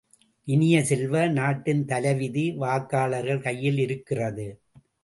இனிய செல்வ, நாட்டின் தலைவிதி வாக்காளர்கள் கையில் இருக்கிறது!